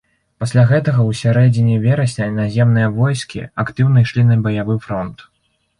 Пасля гэтага ў сярэдзіне верасня наземныя войскі актыўна ішлі на баявы фронт.